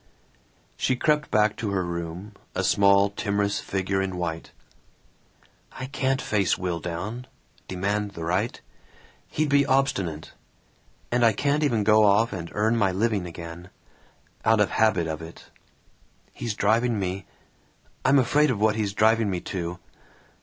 She crept back to her room, a small timorous figure in white. "I can't face Will down demand the right. He'd be obstinate. And I can't even go off and earn my living again. Out of the habit of it. He's driving me I'm afraid of what he's driving me to.